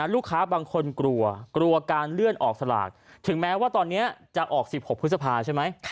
ลูกค้าบางคนกลัวกลัวการเลื่อนออกสลากถึงแม้ว่าตอนนี้จะออก๑๖พฤษภาใช่ไหม